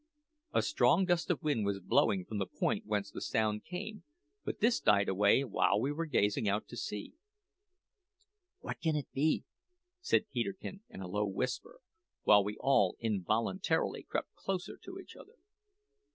A strong gust of wind was blowing from the point whence the sound came, but this died away while we were gazing out to sea. "What can it be?" said Peterkin in a low whisper, while we all involuntarily crept closer to each other.